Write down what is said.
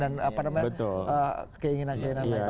dan apa namanya keinginan keinginan lain